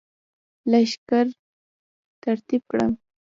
لښکر ترتیب کړم.